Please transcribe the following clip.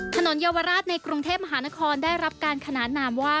เยาวราชในกรุงเทพมหานครได้รับการขนานนามว่า